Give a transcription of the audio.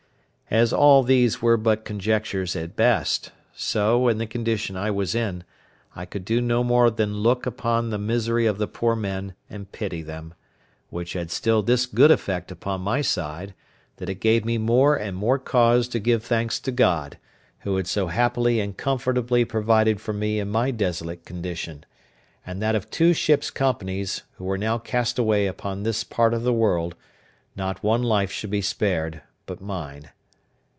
As all these were but conjectures at best, so, in the condition I was in, I could do no more than look on upon the misery of the poor men, and pity them; which had still this good effect upon my side, that it gave me more and more cause to give thanks to God, who had so happily and comfortably provided for me in my desolate condition; and that of two ships' companies, who were now cast away upon this part of the world, not one life should be spared but mine.